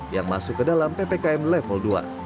yang masuk ke dalam ppkm level dua